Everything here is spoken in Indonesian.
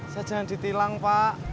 saya jangan ditilang pak